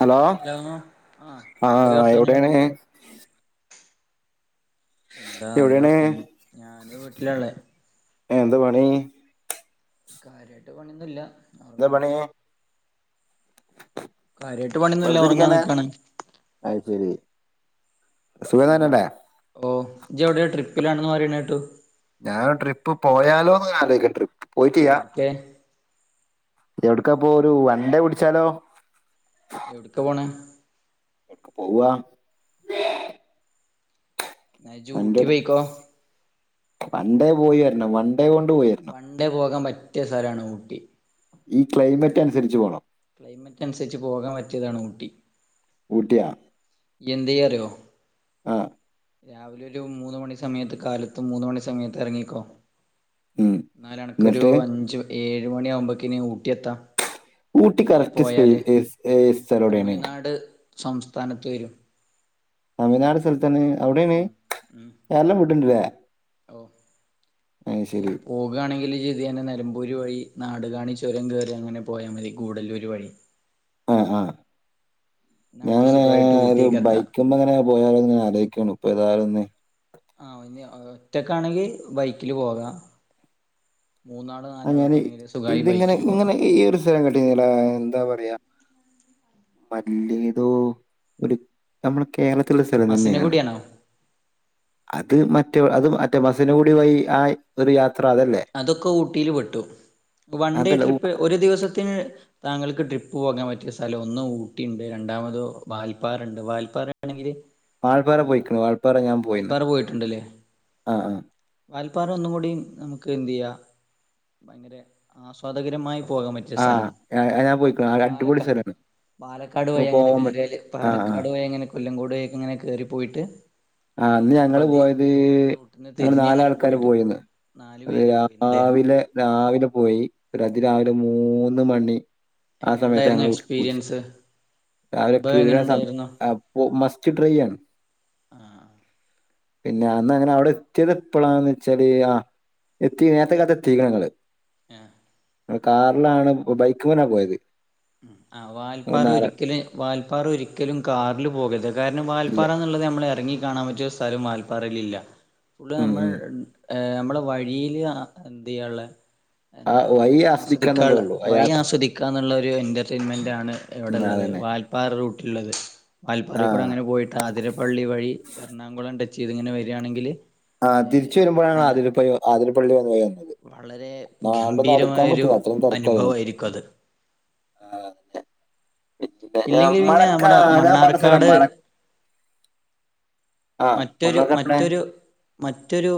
Hello ആഹ് എന്തൊക്കെ ആഹ് വർത്താനം എവിടെണ്? എന്താ നല്ല എവിടെയാണ് വർത്തനം ഞാന് വീട്ടിലാ ഇള്ളെ എന്താ പണി? കാര്യായിട്ട് പണിന്നുല്ല എന്താ പണി? കാര്യായിട്ട് പണിന്നുല്ല ഒറങ്ങാൻ നിക്കാണ് അത്ശെരി ഓ ഇജ്ജ് എവ്ടെ ട്രിപ്പിലാണെന്ന് പറിണെട്ടു ഞാൻ ട്രിപ്പ് പോയാലോന്ന് ആലോയ്ക്ക ട്രിപ്പ് പോയിട്ടില്ല എവിട്ക്കെ എവ്ട്ക്ക പോവ ഒരു വൺഡെ പിടിച്ചാലോ? എവ്ട്ക്കാ പോണെ? എവ്ട്ക്കാ പോവാ? ഇജ്ജ് അന്റെ ഊട്ടി അടു പോയിക്കോ വൺണ്ടേ പോയി വെരണം വൺണ്ടേ കൊണ്ട് പോയി വെര വൺഡേ പോകാൻ പറ്റിയ സ്ഥലാണ് ഊട്ടി ഈ ക്ലൈമറ്റ് അനുസരിച്ച് പോണം ക്ലൈമറ്റ് അനുസരിച്ച് പോകാൻ പറ്റിയതാണ് ഊട്ടി ഊട്ടിയാ എന്തെ അറിയോ ആഹ് രാവിലെ ഒരു മൂന്ന് മണി സമയത്ത് കാലത്ത് മൂന്ന് മണി സമയത്ത് എറങ്ങിക്കോ ഉം ന്നാലണക്കൊരു എന്നിട്ട് അഞ്ചു, ഏഴ് മണി ആവുമ്പോ‌ക്കിന് ഊട്ടി എത്താ ഊട്ടി കറക്റ്റ് സ്പേ സ്ഥലോടെണ്? തമിഴ്നാട് സംസ്ഥാനത്ത് വെരും തമിനാട് സ്ഥലത്താണ് അവിടെണ് ഉം കേരളം വിട്ട്ട്ട്ണ്ട് ല്ലേ ഒഹ് ഏഹ് പോ പോകാണെങ്കില് ഇയ്യ് [unintelligible] നിലമ്പൂര് വഴി നാട് കാണി ചുരം കയറി അങ്ങനെ പോയാ മതി ഗൂഡല്ലൂര് വഴി അഹ് ആഹ് നിനക്ക് ഞാനാണെങ്കി സുഖമായിട്ട് ഒരു ഊട്ടിക്കെത്താം ബൈക്ക് ക്ക്മ്മെ ഇങ്ങനെ പോയാലോന്ന്ങ്ങനെ ആലോയ്ക്കാണ് ഇപ്പോ എതായാലും ഒന്ന് ആഹ് ഇഞ് ഒറ്റക്കാണെങ്കി ബൈക്കില് പോക മൂന്നാ അങ്ങനെ ഇതിങ്ങനെ ഇങ്ങനെ ഈ [unintelligible] എന്താ പറയാ മല്ലേതോ ഒരു നമ്മളെ കേരളത്തിലുള്ള സ്ഥലം തന്നെണ് മസിനഗുഡിയാണോ അത് മറ്റേ അത് മറ്റേ മസന കുടി വഴി ആഹ് ഒരു യാത്ര അതല്ലേ അതൊക്കെ ഊട്ടില് പെട്ടു വൺഡേ അതല്ല ഉ ട്രിപ്പ് ഒരു ദിവസത്തിന് താങ്കൾക്ക് ട്രിപ്പ് പോകാൻ പറ്റിയ സ്ഥലം ഒന്ന് ഊട്ടിണ്ട്, രണ്ടാമത് വാൽപ്പാറണ്ട് വാൽപ്പാറ ആണെങ്കില് വാൽപ്പാറ പോയിക്ക്ണ് വാൽപ്പാറ ഞാൻ പോയിണ് ആഹ് ആഹ് വാൽപാറ ഒന്നും കൂടി നമുക്ക് എന്ത് ചെയ്യാം ഭയങ്കര ആസ്വാദകരമായി പോകാൻ പറ്റും ആഹ് അഹ് ഞാൻ പോയിക്ക്ണ് അത് അടിപൊടി സ്ഥലാണ്. പാലക്കാട് വഴി നമുക്ക് അങ്ങനെ പോവാൻ പറ്റും. കേറിയാല് ആ ആ പാലക്കാട് പോയി അങ്ങനെ കൊല്ലങ്കോട് വഴി ഒക്കെ ഇങ്ങനെ കേറി പോയിട്ട്. ആഹ് അന്ന് ഞങ്ങള് നെല്ലിയാമ്പതി പോയത് റൂട്ടിന്ന് ഞങ്ങള് തിരിഞ്ഞ് അങ്ങനെ നാലാൾക്കാര് പോയിട്ട് പോയത് നാലു അത് പേര് പോയിന്നല്ലേ രാവി ലെ രാവിലെ പോയി ഒര് അതി രാവിലെ മൂന്ന് മണി. ആ എങ്ങനെ സമയത്ത് ഉണ്ടായിരുന്നു ഞങ്ങള് [unintelligible] എക്സ്പീരിയൻസ് രാവിലെ അനുഭവം എങ്ങനെ [unintelligible] ഉണ്ടായിരുന്നു ഓഹ് മസ്റ്റ് ട്രൈയാണ്. ആഹ് പിന്നെ അന്ന് അങ്ങനെ അവിടെ എത്തിയത് എപ്പളാന്ന് വെച്ചാല് ആ എത്തി നേരത്തെ കാലത്തെ എത്തീക്ക്ണ് ഞങ്ങള് ഏഹ് ഞങ്ങള് കാറിലാണ് ബൈക്ക്മ്മല പോയത് ഉം ആഹ് ഞങ്ങള് വാൽപ്പാറ നേര ഒരിക്കലും വാൽപ്പാറ ഒരിക്കലും കാറിൽ പോകരുത് കാരണം ഇല്ല. വാൽപ്പാറ എന്നുള്ളത് നമ്മൾ എറങ്ങി കാണാൻ പറ്റിയ സ്ഥലം വാൽപ്പാറയിലില്ല ഫുൾ ഉം നമ്മൾ ഉം. ഏഹ് നമ്മളെ വഴിയിൽ എന്ത് ചെയ്യാൻള്ള ആ എന്താ വഴി ആസ്വദിക്കാള്ള ആസ്വദിക്കാന്നുള്ളേള്ളൂ. ആ വഴി യാത്ര ആസ്വദി ക്കാന്നുള്ളൊരു എന്റർടൈൻമെന്റ് ആണ് എവിടെ ഉം ഉള്ളത് അതന്നെ. വാൽപാറ റൂട്ട്ലിള്ളത് വാൽപ്പാറ കൂടെ ആഹ്. അങ്ങനെ പോയിട്ട് ആതിരപ്പള്ളി വഴി എറണാകുളം ടച്ച് ചെയ്ത് ഇങ്ങനെ വരാണെങ്കില് ആഹ് തിരിച്ച് വരുമ്പളാണ് ആതിരപ്പ ആതിരപ്പള്ളി എന്ന് പറയുന്നത് വളരെ ഗംഭീരമായ ഒരു അത്രയും തെരക്കായിരുന്നു. അനുഭവായിരിക്കും അത് ആഹ് അതന്നെ ഇല്ലെങ്കിൽ പിന്നെ നമ്മളൊക്കെ നമ്മുടെ അതാ പറഞ്ഞ സ്ഥലം മണ്ണാർക്കാട് മണ ആഹ് മറ്റൊരു മുന്നൂറ് എവിടെ മറ്റൊരു മറ്റൊരു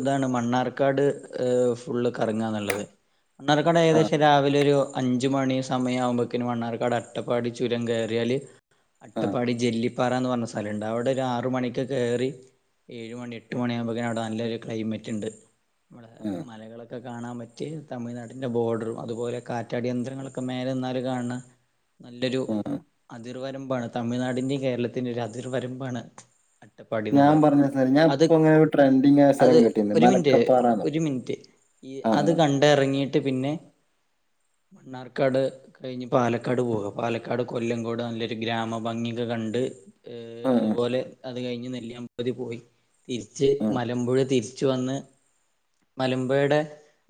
ഇതാണ് മണ്ണാർക്കാട് ഫുള്ള് കറങ്ങാ എന്നുള്ളത് മണ്ണാർക്കാട് ആഹ് ഏകദേശം രാവിലെ ഒരു അഞ്ച് മണി സമയം ആവുമ്പയേക്കിന് മണ്ണാർക്കാട് അട്ടപ്പാടി ചുരം കേറിയാല് ആഹ് അട്ടപ്പാടി ജെല്ലിപ്പാറ എന്ന് പറഞ്ഞ സ്ഥലണ്ട് അവിടെ ഒരു ആറ് മണിക്ക് കേറി ഏഴ് മണി എട്ട് മണി ആവുമ്പയേക്കിന് അവിടെ നല്ലൊരു ക്ലൈമറ്റ് ഉണ്ട് അവിടെ ഉം മലകളൊക്കെ കാണാൻ പറ്റിയ തമിഴ്നാടിൻ്റെ ബോർഡറും അതുപോലെ കാറ്റാടി യന്ത്രങ്ങളൊക്കെ മേലെന്നാലും കാണ് ണ നല്ലൊരു ആഹ് അതിർവരമ്പാണ് തമിഴ്നാടിന്റെയും കേരളത്തിന്റെയും ഒരു അതിർവരമ്പാണ് ഞാൻ അട്ടപാടിന്നുള്ളത് പറഞ്ഞ സ്ഥലം ഞാൻ അത് ഇപ്പ ഇങ്ങനെ ഒരു ട്രെൻഡിങ് ആയ സ്ഥലം അത് കേട്ടിരുന്നു ഒരു മിനിറ്റ് മലക്കപ്പാറാന്നോ ഒരു മിനിറ്റ് ഈ അത് ആഹ് കണ്ടിറങ്ങിയിട്ട് പിന്നെ മണ്ണാർക്കാട് കഴിഞ്ഞ് പാലക്കാട് പോവാ പാലക്കാട് കൊല്ലംങ്കോട് നല്ലൊരു ഗ്രാമ ഭംഗിയൊക്കെ കണ്ട് ഏഹ് ആഹ് അതുപോലെ അത് കഴിഞ്ഞ് നെല്ലിയാമ്പതി പോയി തിരിച്ച് ആഹ് മലമ്പുഴ തിരിച്ച് വന്ന് മലമ്പുയയുടെ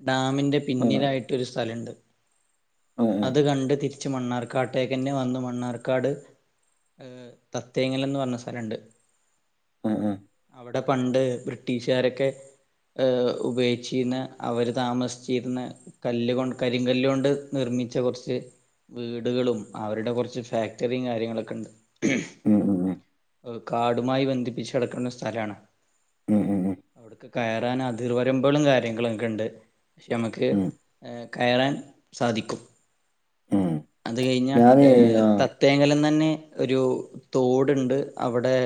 ഡാമിന്റെ ആഹ് പിന്നിലായിട്ടൊരു സ്ഥലണ്ട് ആഹ് ആഹ് അത് കണ്ട് തിരിച്ച് മണ്ണാർക്കാട്ടേക്ക് തന്നെ വന്ന് മണ്ണാർക്കാട് ഏഹ് തത്യേങ്ങലന്ന് പറഞ്ഞ സ്ഥലണ്ട് ഉം ഉം അവിടെ പണ്ട് ബ്രിട്ടീഷുകാരൊക്കെ ഏഹ് ഉപയോഗിച്ചിരുന്ന അവർ താമസിച്ചിരുന്ന കല്ല് കൊണ്ട് കരിങ്കല്ല് കൊണ്ട് നിർമിച്ച കൊറച്ച് വീടുകളും അവരുടെ കൊറച്ച് ഫാക്ടറിയും കാര്യങ്ങളൊക്കെണ്ട് ഉം ഉം ഉം ഏഹ് കാടുമായി ബന്ധിപ്പിച്ച് കെടക്കണ സ്ഥലാണ് ഉം ഉം ഉം അവിടെക്ക് കയറാൻ അതിർ വരുമ്പുകളും കാര്യങ്ങളും ഒക്കെ ഉണ്ട് പക്ഷെ നമ്മുക്ക് ഉം ഏഹ് കയറാൻ സാധിക്കും ആഹ് അത് കഴിഞ്ഞ ഞാനേ ഏഹ് [unintelligible] തേങ്ങലം തന്നെ ഒരു തോടുണ്ട് അവിടെ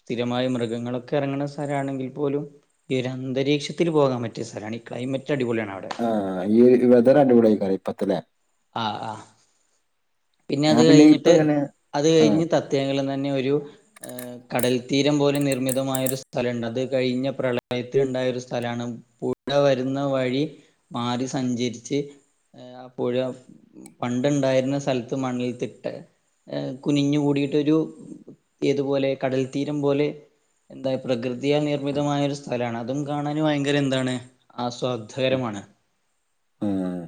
സ്ഥിരമായി മൃഗങ്ങളൊക്കെ ഇറങ്ങണ സ്ഥലമാണെങ്കിൽ പോലും ഈ ഒരു അന്തരീക്ഷത്തിൽ പോകാൻ പറ്റിയ സ്ഥലമാണ് ഈ ക്ലൈമറ്റ് അടിപൊളിയാണ് അവിടെ ആഹ് ഈ ഒരു വെതറ് [unintelligible] ആഹ് ആഹ് പിന്നെ ഞാൻ അത് ഇപ്പ കഴിഞ്ഞിട്ട് ഇങ്ങനെ അത് ആഹ് കഴിഞ്ഞ് ത തേങ്ങലേന്ന് തന്നെ ഒരു ഏഹ് കടൽത്തീരം പോലെ നിർമ്മിതമായ ഒരു സ്ഥലം ഉണ്ട് അത് കഴിഞ്ഞ് പ്രളയത്തിൽ ഉണ്ടായ ഒരു സ്ഥലമാണ് പുഴ വരുന്ന വഴി മാറി സഞ്ചരിച്ച് ആഹ് പുഴ പണ്ട് ഉണ്ടായിരുന്ന സ്ഥലത്ത് മണ്ണിൽ [unintelligible] ഏഹ് കുനിഞ്ഞു കൂടിയിട്ടൊരു ഏതുപോലെ കടൽത്തീരം പോലെ എന്താ പ്രകൃതിയ നിർമ്മിതമായ ഒരു സ്ഥലമാണ് അതും കാണാൻ ഭയങ്കര എന്താണ് ആസ്വാദകരമാണ് ആഹ്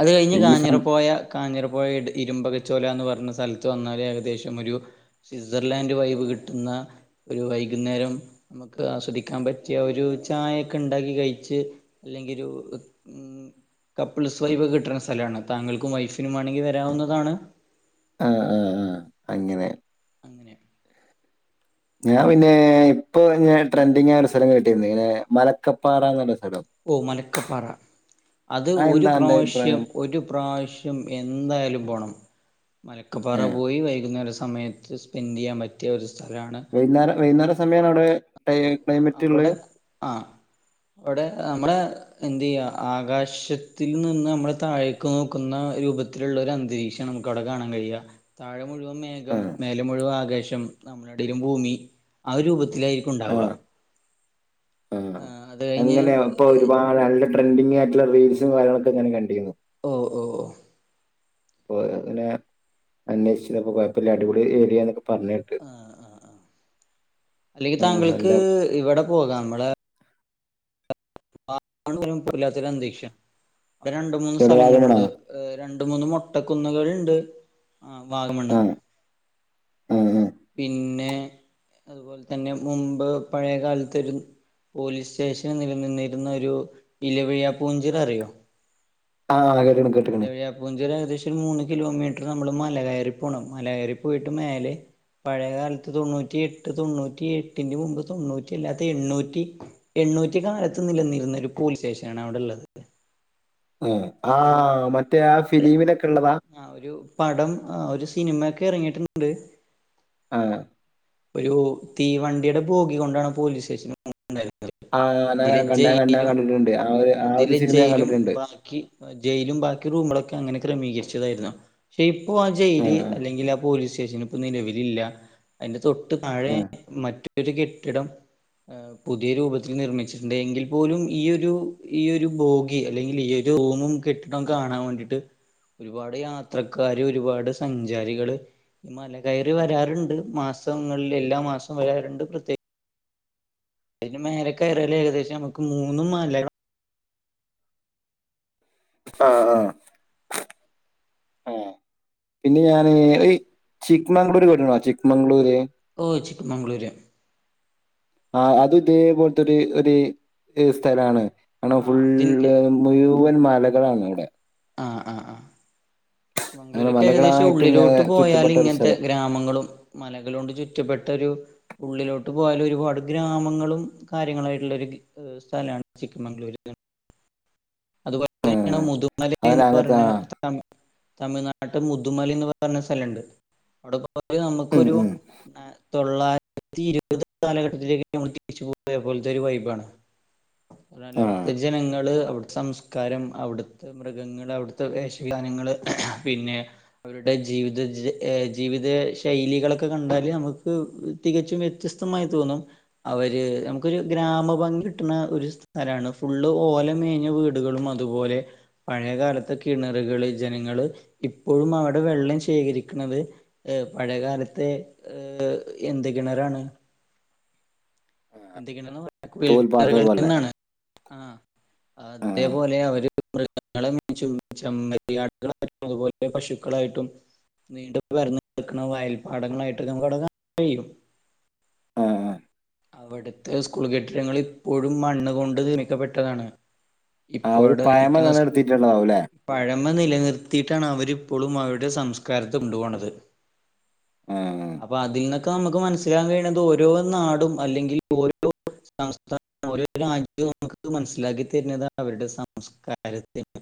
അത് കഴിഞ്ഞ് ഈ സം കാഞ്ഞിരപ്പോയ കാഞ്ഞിരപ്പൊഴ ഇട് ഇരുമ്പകച്ചോലാന്ന് പറഞ്ഞ സ്ഥലത്ത് വന്നാല് ഏകദേശം ഒരു സ്വിറ്റ്സർലാൻഡ് വൈബ് കിട്ടുന്ന ഒരു വൈകുന്നേരം നമ്മുക്ക് ആസ്വദിക്കാൻ പറ്റിയ ഒരു ചായക്കെ ഉണ്ടാക്കി കഴിച്ച് അല്ലങ്കി ഒരു കപ്പിൾസ് വൈബ് കിട്ടണ സ്ഥലാണ് താങ്കൾക്കും വൈഫിനും വേണെങ്കി വരാവുന്നതാണ് ആഹ് ആഹ് ആഹ് അങ്ങനെ അങ്ങനെ ഞാൻ പിന്നെ ഇപ്പൊ ഞാൻ ട്രെൻഡിങ്ങായ ഒരു സ്ഥലം കേട്ടീരുന്ന് ഇങ്ങനെ മലക്കപ്പാറാന്ന് പറഞ്ഞ സ്ഥലം ഓ മലക്കപ്പാറ അത് ഒരു അതെന്താ അന്റെ പ്രാവശ്യം അഭിപ്രായം ഒരു പ്രാവശ് ശ്യം എന്തായാലും പോണം ഏ മലക്കപ്പാറ പോയി വൈകുന്നേര സമയത്ത് സ്പെൻഡ് ചെയ്യാൻ പറ്റിയ ഒരു സ്ഥലാണ് [unintelligible] വൈകുന്നേര സമയമാണ് അവ്ടെ ഒ അവിടെ ആഹ് അവിടെ നമ്മടെ എന്ത് ചെയ്യാ ആകാശത്തിൽ നിന്ന് നമ്മള് താഴേക്ക് നോക്കുന്ന രൂപ ത്തിലുള്ള ഒരന്തരീക്ഷാണ് നമ്മുക്കവിടെ കാണാൻ കഴിയ താഴെ മുഴുവൻ ആ മേഘം മേലെ മുഴുവൻ ആകാശം [unintelligible] ഭൂമി ആ ഒരു രൂപത്തിലായിരിക്കും ഉണ്ടാവുക ആഹ് അത് കഴിഞ്ഞ് എങ്ങനെയാ അപ്പൊ ഒരുപാട് നല്ല ട്രെൻഡിങ്ങായിട്ടുള്ള റീൽസും കാര്യങ്ങളൊക്കെ ഇങ്ങനെ കണ്ടീന്നു ഓ ഓ അപ്പൊ അങ്ങനെ അന്വേഷിച്ച് ചെന്നപ്പൊ കൊഴപ്പ ഇല്ല അടിപൊളി ഏരിയാന്നൊക്കെ പറഞ്ഞ് ആഹ് ആഹ് ആഹ് അല്ലെങ്കി ആ, താങ്കൾക്ക് എന്താ ഇവിടെ പോകാം നമ്മളെ [unintelligible] വല്ലാത്തൊരന്തരീക്ഷ ഇവിടെ രണ്ട് മൂന്ന് ഇവിടെ വാഗമണോ സ്ഥലങ്ങളുണ്ട് ഏഹ് രണ്ട് മൂന്ന് മൊട്ട കുന്നുകളുണ്ട് ആഹ് വാഗമണ് ആ [unintelligible] പിന്നെ അതുപോലെ തന്നെ മുമ്പ് പഴയ കാലത്തൊര് പോലീസ് സ്റ്റേഷൻ നിലനിന്നിരുന്നൊരു ഇലവീഴാ പൂഞ്ചിറ അറിയോ? ആഹ് [unintelligible] ഇല വിഴാ പൂഞ്ചിറ ഏകദേശം മൂന്ന് കിലോമീറ്റർ നമ്മള് മല കെയറി പോണം മല കയറി പോയിട്ട് മേലെ പഴയകാലത്ത് തൊണ്ണൂറ്റി എട്ട് തൊണ്ണൂറ്റി എട്ടിന്റെ മുമ്പ് തൊണ്ണൂറ്റി അല്ലാത്ത എണ്ണൂറ്റി എണ്ണൂറ്റി കാലത്ത് നിലനിന്നൊരു പോലീസ് സ്റ്റേഷനാണ് അവ്ടെള്ളത് ഉം ആഹ് മറ്റേ ആ ഒരു ട്ര ഫിലീമിലൊക്കെള്ളതാ ആ ഒരു പടം ആ ഒരു സിനിമേക്ക എറങ്ങീട്ട്ണ്ട് ആഹ് ഒരു തീവണ്ടീടെ ഭോഗി കൊണ്ടാണ് പോലീസ് സ്റ്റേഷൻ ഉണ്ടായിരുന്നത് ആ ഞാൻ അതിലെ കണ്ട ഞാൻ കണ്ട ഞാൻ ജയ്ലും കണ്ടിട്ടുണ്ട് ആ ഒരു ആ ഒരു അതിലെ സിനിമ ഞാൻ ജയ്ലും കണ്ടിട്ടുണ്ട് ബാക്കി ജയ്ലും ബാക്കി റൂമളൊക്കെ അങ്ങനെ ക്രമീകരിച്ചതായിര്ന്നു പക്ഷെ ഇപ്പൊ ആ ജയ്ല് അല്ലെങ്കിലാ പോലീസ് സ്റ്റേഷനും പ്പ നിലവിലില്ല അയ്ന്റെ തൊട്ട് ആ താഴെ മറ്റൊരു കെട്ടിടം ഏ പുതിയ രൂപത്തിൽ നിർമ്മിച്ചിട്ട്ണ്ട് എങ്കിൽ പോലും ഈ ഒരു ഈ ഒരു ബോഗി അല്ലെങ്കിലീ ഒരു റൂ മും കെട്ടിടം കാണാൻ വേണ്ടിട്ട് ഒരുപാട് യാത്രക്കാര് ഒരുപാട് സഞ്ചാരികള് ഈ മല കയറി വരാറ്ണ്ട് മാസങ്ങൾല് എല്ലാ മാസം വരാറ്ണ്ട് പ്രത്യേ അയിന് മേലെ കേറ ലേകദേശം നമക്ക് മൂന്ന് മല ആഹ് ആ ആ. പിന്നെ ഞാന് ഒര് ചിക്ക് മംഗ്ലൂര് കേട്ട്ക്ക്ണോ ചിക്ക് മംഗ്ലൂര് ഓ ചിക്ക് മംഗ്ലൂര് ആ അത് ഇതേപോൽത്തൊര് ഒര് ഒര് സ്ഥലാണ് കാണം ആ അതിന്റെ ഫുള്ള് മുഴൂവൻ മലകളാണ് അവ്ടെ ആഹ് ആഹ് ആഹ് ചിക്ക് അങ്ങനെ മംഗ്ലൂരൊക്കേകദേശം മലകളായിട്ട് ഉള്ളിലോട്ട് നേ- ചുറ്റപ്പെട്ട ഒരു പോയാല്ങ്ങൻത്ത സ്ഥലം ഗ്രാമങ്ങളും മലകളൊണ്ട് ചുറ്റപ്പെട്ടൊരു ഉള്ളിലോട്ട് പോയാല് ഒരുപാട് ഗ്രാമങ്ങളും കാര്യങ്ങളായിട്ടുള്ളൊരു ഗ് ഒരു സ്ഥലാണ് ചിക്ക്മംഗ്ലൂര് ആ അങ്ങനെയാണ് മുതുമല അങ്ങനെ എന്ന് അങ്ങനത്തെ ആ പറഞ്ഞ് തം തമിഴ്നാട്ട് മുതുമലയെന്ന് പറഞ്ഞ സ്ഥലൊണ്ട് അവിടെ കൊ കൊറേ ഉം, നമുക്കൊരു ഉം. ഏഹ് തൊള്ളായിരത്തി ഇരുപത് കാലഘട്ടത്തിലേക്ക് നമ്മള് തിരിച്ചു പോയ പോലത്തെ ഒരു വൈബാണ് എന്നാലേ ആ അവിടുത്തെ ജനങ്ങള് അവിടുത്തെ സംസ് കാരം അവിടുത്തെ മൃഗങ്ങള് അവിടുത്തെ വേഷവിധാനങ്ങള് പിന്നെ അവരുടെ ജീവിതജെ ഏഹ് ജീവിത ശൈലികളൊക്കെ കണ്ടാല് നമുക്ക് തികച്ചും വ്യത്യസ്തമായി തോന്നും അവര് നമുക്കൊരു ഗ്രാമ ഭംഗി കിട്ടണ ഒരു സ്ഥലാണ് ഫുള്ള് ഓല മേഞ്ഞ വീ ടുകളും അതുപോലെ പഴയകാലത്തെ കിണറുകള് ജനങ്ങള് ഇപ്പോഴും അവിടെ വെള്ളം ശേഖരിക്ക്ണത് ഏഹ് പഴയകാലത്തെ ഏഹ് എന്ത്‌ കെണറാണ് ഫിൽറ്റർ തോൽപ്പാത്തത് പോലെ കെണറ്ന്നാണ് ആഹ് ആ അതേപോലെ അവര് മൃഗങ്ങളെ മേയ്ച്ചും ചെമ്മരിയാടുകളെ അതുപോലെ പശുക്കളായിട്ടും നീണ്ട് നിവർന്ന് കിടക്കണമാരി വയൽപ്പാടങ്ങളായിട്ട് നമുക്ക്ടെ കാ കഴിയും ആഹ് ആഹ് അവിടുത്തെ സ്കൂൾ കെട്ടിടങ്ങള് ഇപ്പോഴും മണ്ണ് കൊണ്ട് തിനിക്കപ്പെട്ടതാണ് ആഹ് ഒരു പയമ നിലനിർത്തിയിട്ടുള്ളതാവൂലെ പഴമ നിലനിർത്തിയിട്ടാണ് അവരിപ്പോളും അവരുടെ സംസ്കാരത്ത് കൊണ്ടുപോണത് ആഹ് അപ്പൊ അതീന്നൊക്കെ നമുക്ക് മനസ്സിലാകാൻ കഴിയണത് ഓരോ നാടും അല്ലെങ്കിൽ ഓരോ സംസ്ഥാ ഓരോ രാജ്യവും നമുക്ക് മനസ്സിലാക്കി തരുന്നത് അവരുടെ സംസ്കാരത്തിന്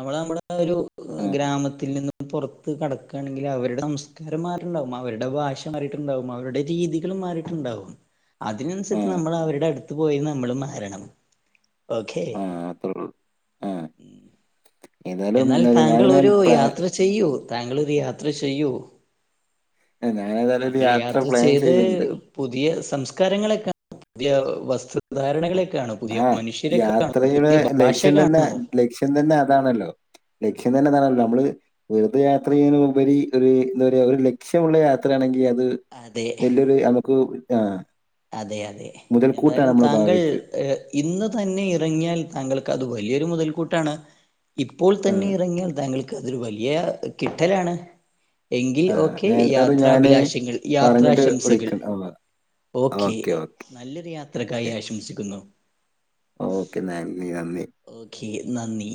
നമ്മള് നമ്മുടെ ഒരു ആ ഗ്രാമത്തിൽ നിന്നും പൊറ ത്ത് കടക്കാണെങ്കില് അവരുടെ സംസ്കാരം മാറിയിട്ടുണ്ടാവും അവരുടെ ഭാഷ മാറിയിട്ടുണ്ടാവും അവരുടെ രീതികളും മാറിയിട്ടുണ്ടാവും ആ അതിനനുസരിച്ച് നമ്മൾ അവരുടെ അടുത്ത് പോയി നമ്മൾ മാറണം ഓക്കെ ആ അത്രേ ഉള്ളൂ ആ ഏതായാലും എന്നാൽ താങ്കളൊരു ഞാനിങ്ങനെ യാത്ര ചെയ്യൂ താങ്കളൊരു യാത്ര ചെയ്യൂ ഞാനേതായാലും ഒരു താങ്കൾ യാത്ര പ്ലാൻ ചെയ്ത് ചെയ്യുന്നുണ്ട് പുതിയ സംസ്കാരങ്ങളൊക്കെ പുതിയ വസ്തു ധാരണകളെക്കാണൂ പുതിയ ആ മനുഷ്യരൊക്കെ കാണൂ യാത്രയുടെ പുതിയ ഭാഷ ലക്ഷ്യം തന്നെ കാണൂ ലക്ഷ്യം തന്നെ അതാണല്ലോ ലക്ഷ്യം തന്നെ അതാണല്ലോ നമ്മള് വെറുതെ യാത്ര ചെയ്യനുപരി ഒരു എന്താ പറയാ ഒരു ലക്ഷ്യമുള്ള യാത്രയാണെങ്കി അത് അതെ വലിയൊരു നമുക്ക് ആഹ് അതെ അതെ എന്തായാലും താങ്കൾ ഭാവിക്ക്. ഇന്ന് തന്നെ ഇറങ്ങിയാൽ താങ്കൾക്ക് അത് വലിയൊരു മുതൽക്കൂട്ടാണ് ഇപ്പോൾ ആ തന്നെ ഇറങ്ങിയാൽ താങ്കൾക്ക് അതൊരു വലിയ കിട്ടലാണ് എങ്കിൽ ആ ഓക്കെ ഞാൻ ഏതായാലും ഞാന് യാത്രാഭിലാഷങ്ങൾ പറഞ്ഞിട്ട് യാത്രാശംസകൾ വിളിക്കണ്ട്. ഓ ഓക്കെ നല്ലൊരു യാത്രക്കായി ഓക്കെ. ആശംസിക്കുന്നു ഓക്കെ നന്ദി നന്ദി ഓക്കെ നന്ദി